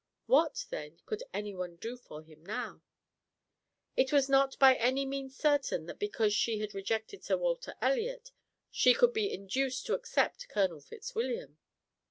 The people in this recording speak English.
What, then, could anyone do for him now? It was not by any means certain that because she had rejected Sir Walter Elliot she could be induced to accept Colonel Fitzwilliam.